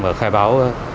và khai báo